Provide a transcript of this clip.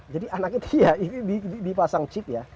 jadi anak itu ya dipasang chip ya